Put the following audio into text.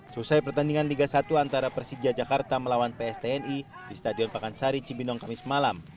selesai pertandingan liga satu antara persija jakarta melawan pstni di stadion pakansari cibinong kamis malam